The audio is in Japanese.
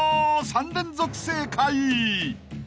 ３連続正解！］